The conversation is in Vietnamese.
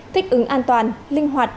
thích ứng an toàn linh hoạt